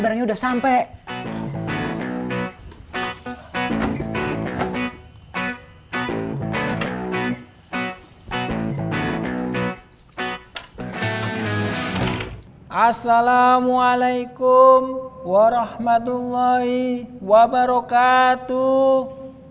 assalamualaikum warahmatullahi wabarakatuh